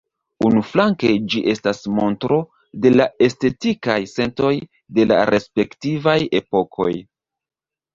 Unuflanke ĝi estas montro de la estetikaj sentoj de la respektivaj epokoj.